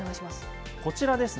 こちらですね。